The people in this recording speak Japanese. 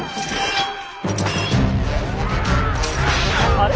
あれ？